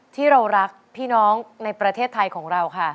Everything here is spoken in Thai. ที่เรารักพี่น้องในประเทศไทยของเราค่ะ